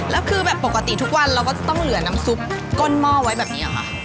แล้วคือแบบปกติทุกวันเราก็จะต้องเหลือน้ำซุปก้นหม้อไว้แบบนี้เหรอคะ